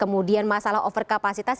kemudian masalah overcapacitas